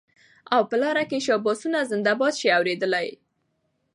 او په لار کي شاباسونه زنده باد سې اورېدلای